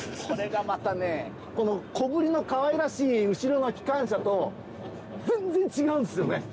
これがまたね小ぶりのかわいらしい後ろの機関車と全然違うんですよね！